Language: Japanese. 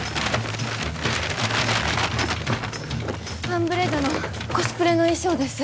『ワンブレイド』のコスプレの衣装です。